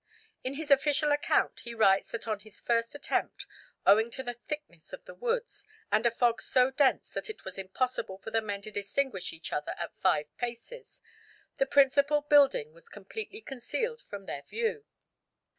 In his official account he writes that on his first attempt, owing to the thickness of the woods and a fog so dense that it was impossible for the men to distinguish each other at five paces, the principal building was completely concealed from their view.